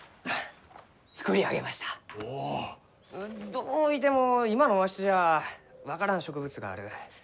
どういても今のわしじゃ分からん植物がある。